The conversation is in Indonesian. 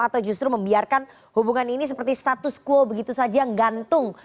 atau justru membiarkan hubungan ini seperti status quo begitu saja gantung